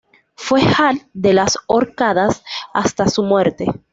Fue jarl de las Orcadas hasta su muerte.